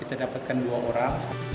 kita dapatkan dua orang